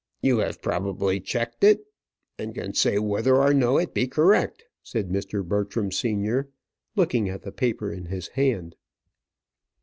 "You have probably checked it, and can say whether or no it be correct," said Mr. Bertram senior, looking at the paper in his hand.